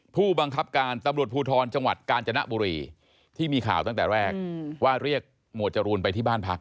ผู้บังคับการตำรวจภูทรจังหวัดกาญจนบุรีที่มีข่าวตั้งแต่แรกว่าเรียกหมวดจรูนไปที่บ้านพัก